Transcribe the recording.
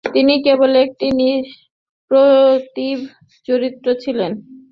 তিনি কেবল একটি নিষ্প্রতিভ চরিত্র ছিলেন।